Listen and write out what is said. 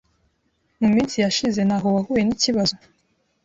mu minsi yashize ntaho wahuye n’ikibazo